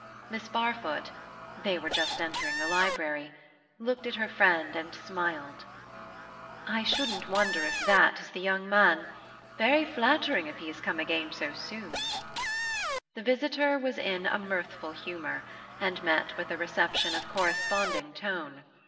Miss Barfoot (they were just entering the library) looked at her friend and smiled. "I shouldn't wonder if that is the young man. Very flattering if he has come again so soon." The visitor was in mirthful humour, and met with a reception of corresponding tone.